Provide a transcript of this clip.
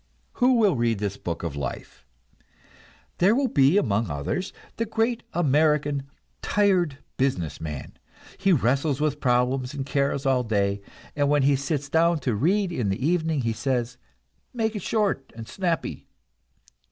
Who will read this Book of Life? There will be, among others, the great American tired business man. He wrestles with problems and cares all day, and when he sits down to read in the evening, he says: "Make it short and snappy."